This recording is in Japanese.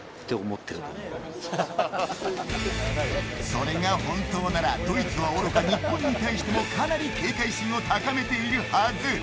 それが本当ならドイツはおろか日本に対してもかなり警戒心を高めているはず。